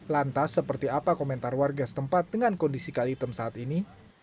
lantas seperti apa komentar warga setempat dengan kondisi kali hitam saat ini